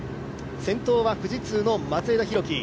先頭は富士通の松枝博輝。